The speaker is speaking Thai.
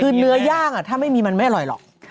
คือเนื้อย่างถ้าไม่มีมันไม่อร่อยหรอก